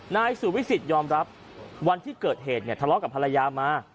นายสุวิสิตยอมรับวันที่เกิดเหตุเนี่ยทะเลาะกับภรรยามา